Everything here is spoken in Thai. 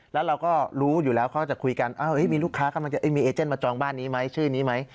แล้วเราก็รู้อยู่แล้วเขาจะคุยกันมีลูกค้ากำลังจะมีเอเจนมาจองบ้านนี้ไหมชื่อนี้ไหม